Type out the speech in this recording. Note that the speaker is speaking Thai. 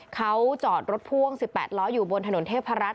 เขาจอดรถพ่วง๑๘ล้ออยู่บนถนนเทพรัฐ